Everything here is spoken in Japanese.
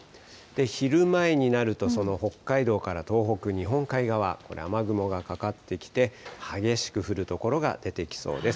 昼前になると、その北海道から東北、日本海側、雨雲がかかってきて、激しく降る所が出てきそうです。